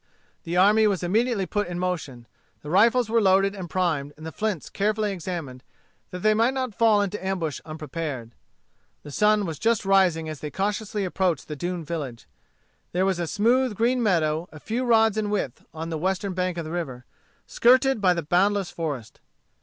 The army was immediately put in motion. The rifles were loaded and primed, and the flints carefully examined, that they might not fall into ambush unprepared. The sun was just rising as they cautiously approached the doomed village. There was a smooth green meadow a few rods in width on the western bank of the river, skirted by the boundless forest.